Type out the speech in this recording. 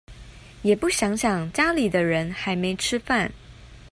也不想想家裡的人還沒吃飯